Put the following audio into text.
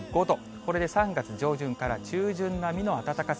これで３月上旬から中旬並みの暖かさ。